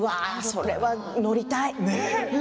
それは、乗りたい。